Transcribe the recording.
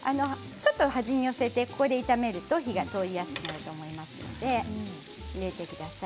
ちょっと端に入れて炒めると火が通りやすくなると思いますので入れてください。